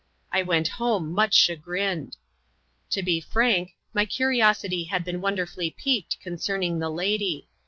I went home much chagrined. To be frank, my curiosity had been wonderfully piqued con cerning the lady.